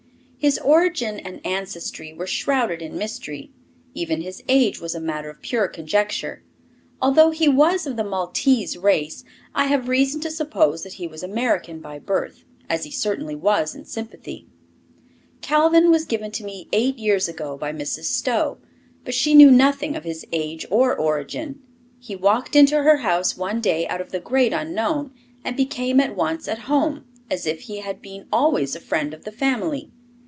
His origin and ancestry were shrouded in mystery; even his age was a matter of pure conjecture. Although he was of the Maltese race, I have reason to suppose that he was American by birth as he certainly was in sympathy. Calvin was given to me eight years ago by Mrs. Stowe, but she knew nothing of his age or origin. He walked into her house one day out of the great unknown and became at once at home, as if he had been always a friend of the family.